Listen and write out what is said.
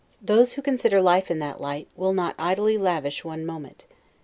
Those who consider life in that light, will not idly lavish one moment.